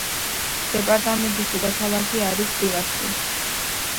დეპარტამენტის დედაქალაქი არის რივასი.